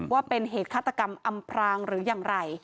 ว่าเป็นเหตุฆาตกรรมอำพรางหรืออย่างไร